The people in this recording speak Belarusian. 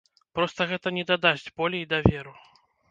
Проста гэта не дадасць болей даверу.